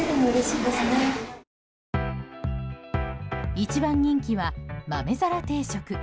一番人気は豆皿定食。